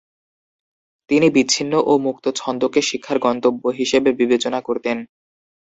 তিনি বিচ্ছিন্ন ও মুক্ত ছন্দকে শিক্ষার গন্তব্য হিসেবে বিবেচনা করতেন।